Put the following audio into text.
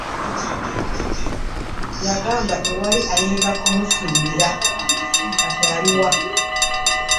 Wagamba tewali ayinza kumukusingira kati ali wa?